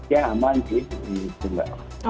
ya aman sih